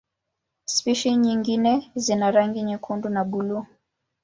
Spishi nyingine zina rangi nyekundu na buluu.